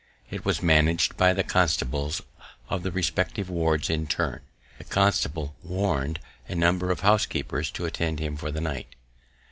It was managed by the constables of the respective wards in turn; the constable warned a number of housekeepers to attend him for the night.